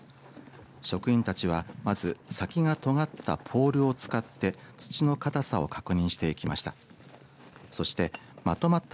職員たちは、まず先がとがったポールを使って土の硬さを確認していきました。